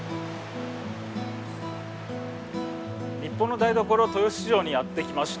日本の台所豊洲市場にやってきました。